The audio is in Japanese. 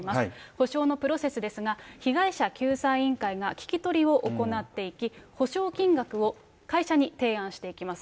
補償のプロセスですが、被害者救済委員会が聞き取りを行っていき、補償金額を会社に提案していきます。